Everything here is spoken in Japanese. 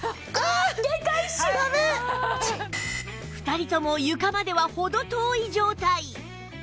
２人とも床まではほど遠い状態